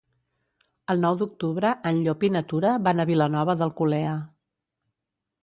El nou d'octubre en Llop i na Tura van a Vilanova d'Alcolea.